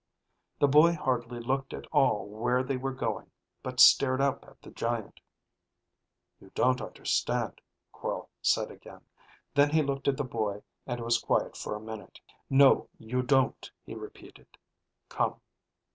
The boy hardly looked at all where they were going, but stared up at the giant. "You don't understand," Quorl said again. Then he looked at the boy and was quiet for a minute. "No, you don't," he repeated. "Come."